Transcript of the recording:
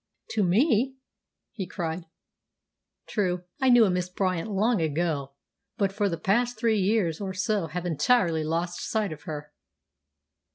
"To me!" he cried. "True, I knew a Miss Bryant long ago, but for the past three years or so have entirely lost sight of her."